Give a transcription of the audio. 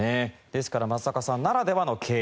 ですから松坂さんならではの経験。